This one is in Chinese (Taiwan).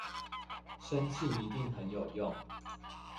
深信一定很有用